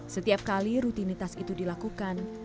setiap kali rutinitas itu dilakukan